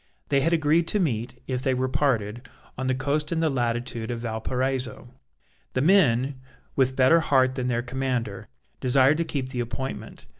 They had agreed to meet, if they were parted, on the coast in the latitude of Valparaiso. The men, with better heart than their commander, desired to keep the appointment.